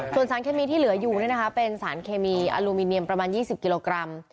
ส่วนสารเคมีที่เหลืออยู่เป็นสารเคมีอลูมิเนียมประมาณ๒๐กิโลกรัม